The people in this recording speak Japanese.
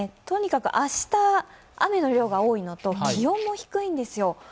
とにかく明日、雨の量が多いのと気温も低いんですよ。